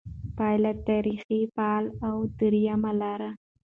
پایله: «تاریخي فاعل» او درېیمه لار